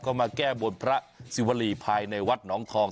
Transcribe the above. ก็มาแก้บนพระสิวรีภายในวัดหนองทอง